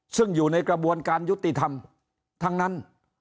ซึ่งอยู่ในกระบวนการยุติธรรมทั้งนั้น